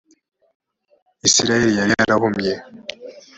isirayeli yari yarahumye